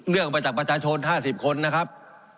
เรื่องไปจากประชาชน๕๐คนนะครับ